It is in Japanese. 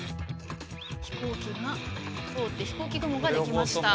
飛行機が通って飛行機雲ができました。